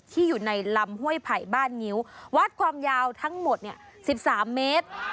อยู่ในลำห้วยไผ่บ้านงิ้ววัดความยาวทั้งหมด๑๓เมตร